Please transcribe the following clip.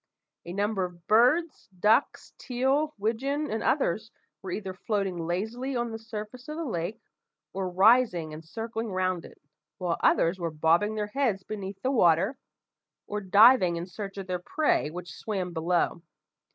A number of birds, ducks, teal, widgeon, and others, were either floating lazily on the surface of the lake, or rising and circling round it, while others were bobbing their heads beneath the water, or diving in search of their prey which swam below.